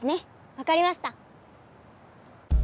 わかりました！